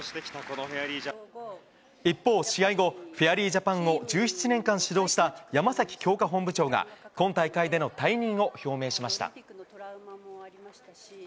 一方、試合後、フェアリージャパンを１７年間指導した、山崎強化本部長が今大会での退任を表明しました。